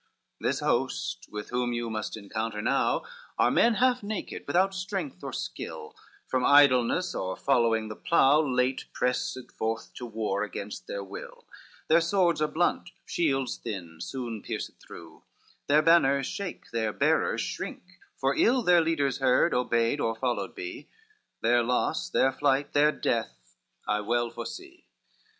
XVI "This host, with whom you must encounter now, Are men half naked, without strength or skill, From idleness, or following the plough, Late pressed forth to war against their will, Their swords are blunt, shields thin, soon pierced through, Their banners shake, their bearers shrink, for ill Their leaders heard, obeyed, or followed be, Their loss, their flight, their death I well foresee.